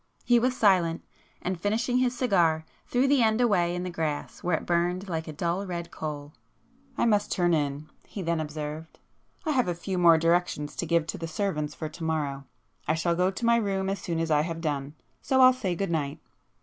He was silent,—and finishing his cigar, threw the end away in the grass where it burned like a dull red coal. "I must turn in," he then observed,—"I have a few more directions to give to the servants for to morrow. I shall go to my room as soon as I have done,—so I'll say good night."